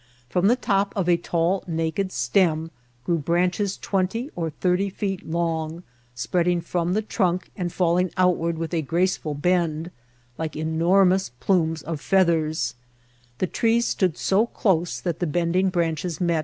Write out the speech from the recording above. From the top of a tall naked stem grew branches twenty or thirty feet long, spreading from the trunk, and falling outward with a graceful bend, like enormous plumes of feath ers ; the trees stood so close that the bending branches ▲ PLXA8AMT XKC017NTIR.